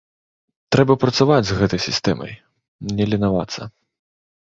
Трэба працаваць з гэтай сістэмай, не ленавацца.